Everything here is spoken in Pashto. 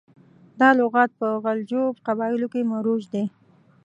دا لغات په غلجو قبایلو کې مروج دی.